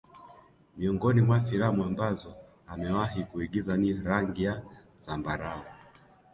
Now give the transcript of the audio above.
Miongoni mwa filamu ambazo amewahi kuigiza ni rangi ya zambarau